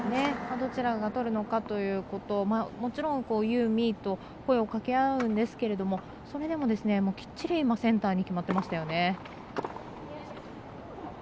どちらがとるのかということもちろん、ユー、ミーと声をかけ合うんですが、それでもきっちりセンターに決まっていましたよね。